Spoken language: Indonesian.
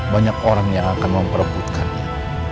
banyak orang yang akan memperebutkannya